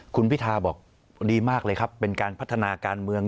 คุณพิทาบอกดีมากเลยครับเป็นการพัฒนาการเมือง